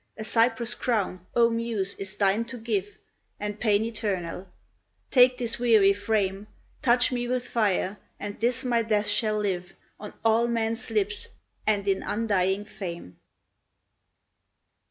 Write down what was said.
A cypress crown, O Muse, is thine to give, And pain eternal: take this weary frame, Touch me with fire, and this my death shall live On all men's lips and in undying fame.